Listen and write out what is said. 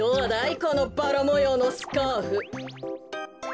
このバラもようのスカーフ。